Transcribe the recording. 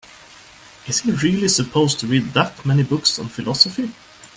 Is he really supposed to read that many books on philosophy?